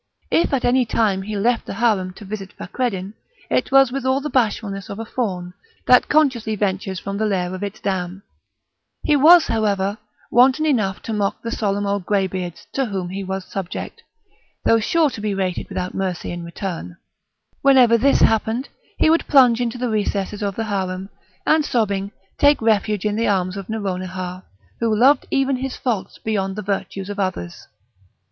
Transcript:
If at any time he left the harem to visit Fakreddin, it was with all the bashfulness of a fawn, that consciously ventures from the lair of its dam; he was however, wanton enough to mock the solemn old grey beards to whom he was subject, though sure to be rated without mercy in return; whenever this happened he would plunge into the recesses of the harem, and sobbing, take refuge in the arms of Nouronihar, who loved even his faults beyond the virtues of others.